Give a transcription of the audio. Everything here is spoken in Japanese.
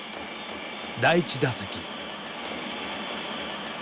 第１打席。